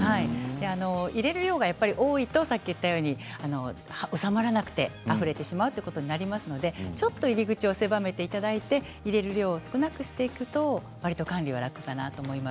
入れる量が多いと収まらなくてあふれてしまうことになりますので、ちょっと入り口を狭めていただいて入れる量を少なくしていくとわりと管理が楽かなと思います。